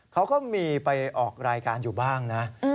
เขาก็มีไปออกรายการอยู่บ้างนะ